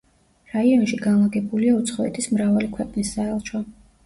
რაიონში განლაგებულია უცხოეთის მრავალი ქვეყნის საელჩო.